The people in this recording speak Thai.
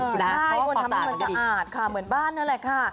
ใช่ไม่ควรทำให้มันสะอาดค่ะเหมือนบ้านนั่นแหละค่ะ